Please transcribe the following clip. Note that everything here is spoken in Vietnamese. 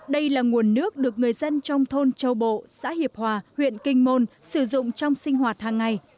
đây là nguồn nước được người dân trong thôn châu bộ xã hiệp hòa huyện kinh môn sử dụng trong sinh hoạt hàng ngày